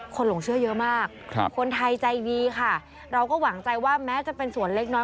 หลงเชื่อเยอะมากคนไทยใจดีค่ะเราก็หวังใจว่าแม้จะเป็นส่วนเล็กน้อย